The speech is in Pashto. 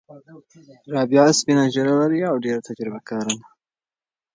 رابعه سپینه ږیره لري او ډېره تجربه کاره ده.